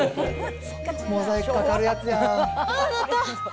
モザイクかかるやつやぁ。